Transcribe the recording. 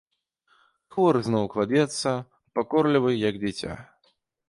Хворы зноў кладзецца, пакорлівы, як дзіця.